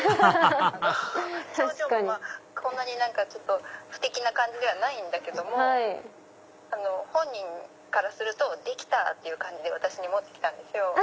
ハハハハ表情がこんなに不敵な感じではないんだけども本人からするとできた！って感じで私に持って来たんですよ。